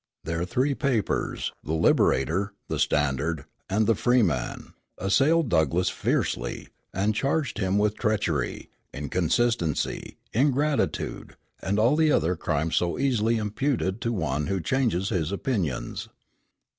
Their three papers, the Liberator, the Standard, and the Freeman, assailed Douglass fiercely, and charged him with treachery, inconsistency, ingratitude, and all the other crimes so easily imputed to one who changes his opinions.